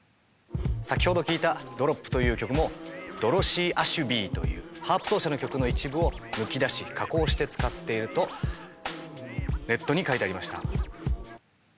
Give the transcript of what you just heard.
先ほど聴いた「Ｄｒｏｐ」という曲もドロシー・アシュビーというハープ奏者の曲の一部を抜き出し加工して使っているとネットに書いてありました。